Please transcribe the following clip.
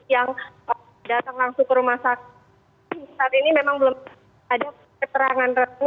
yang datang langsung ke rumah sakit saat ini memang belum ada keterangan resmi